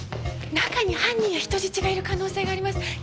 中に犯人や人質がいる可能性があります。